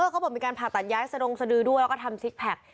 เขาบอกมีการผ่าตัดย้ายสะดงสดือด้วยแล้วก็ทำซิกแพค